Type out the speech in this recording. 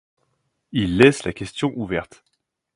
Il laisse la question ouverte.